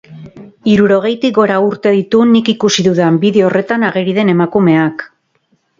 Hirurogeitik gora urte ditu nik ikusi dudan bideo horretan ageri den emakumeak.